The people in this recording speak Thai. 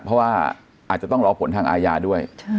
เพราะว่าอาจจะต้องรอผลทางอาญาด้วย